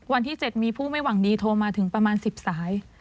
วันที่๗มีผู้ไม่หวังดีโทรมาถึงประมาณ๑๐สาย